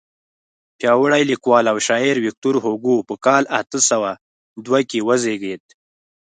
پیاوړی لیکوال او شاعر ویکتور هوګو په کال اته سوه دوه کې وزیږېد.